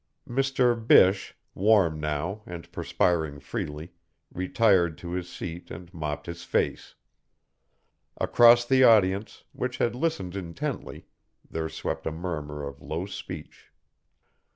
Mr. Bysshe, warm now and perspiring freely, retired to his seat and mopped his face. Across the audience, which had listened intently, there swept a murmur of low speech.